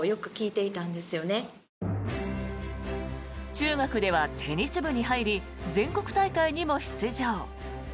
中学ではテニス部に入り全国大会にも出場。